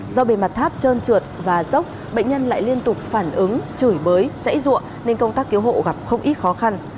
do bề mặt tháp trơn trượt và dốc bệnh nhân lại liên tục phản ứng chửi bới dãy rụa nên công tác cứu hộ gặp không ít khó khăn